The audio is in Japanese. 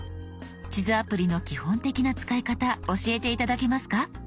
地図アプリの基本的な使い方教えて頂けますか？